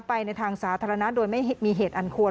ในทางสาธารณะโดยไม่มีเหตุอันควร